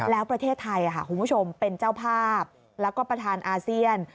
แล้วประเทศไทยคุณผู้ชมเป็นเจ้าภาพแล้วก็ประธานอาเซียน